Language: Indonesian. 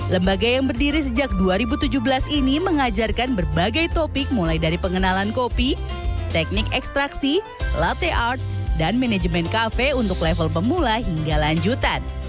lembaga yang berdiri sejak dua ribu tujuh belas ini mengajarkan berbagai topik mulai dari pengenalan kopi teknik ekstraksi latte art dan manajemen kafe untuk level pemula hingga lanjutan